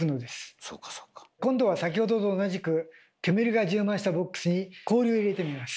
今度は先ほどと同じく煙が充満したボックスに氷を入れてみます。